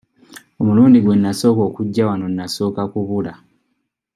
Omulundi gwe nnasooka okujja wano nnasooka kubula.